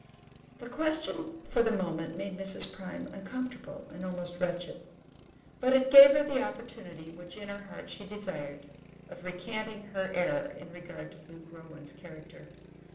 The question for the moment made Mrs. Prime uncomfortable and almost wretched, but it gave her the opportunity which in her heart she desired of recanting her error in regard to Luke Rowan's character.